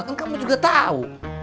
kan kamu juga tahu